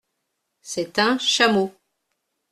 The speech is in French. C’est un chameau !…